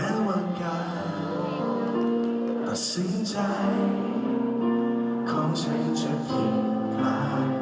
แม้ว่าการตัดสินใจความใช้จะยิ่งมาก